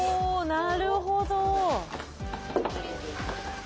なるほど。